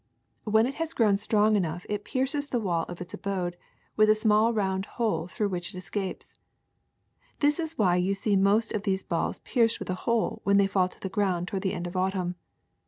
When it has grown strong enough it pierces the wall of its abode with a small round hole through which it escapes. That is why you see most of these balls pierced with a hole when they fall to the ground toward the end of autumn.